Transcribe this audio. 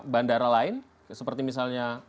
bandara lain seperti misalnya